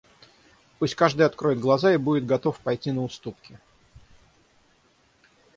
Пусть каждый откроет глаза и будет готов пойти на уступки!